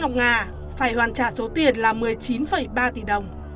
hội đồng nga phải hoàn trả số tiền là một mươi chín ba tỷ đồng